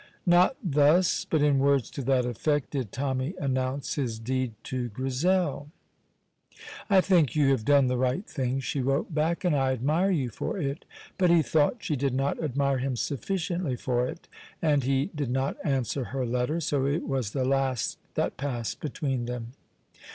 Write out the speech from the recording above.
Not thus, but in words to that effect, did Tommy announce his deed to Grizel. "I think you have done the right thing," she wrote back, "and I admire you for it." But he thought she did not admire him sufficiently for it, and he did not answer her letter, so it was the last that passed between them.